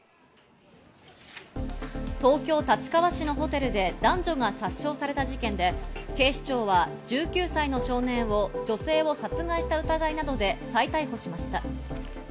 東京・立川市のホテルで男女が殺傷された事件で、警視庁は１９歳の少年を女性を殺害した疑いなどで再逮捕しました。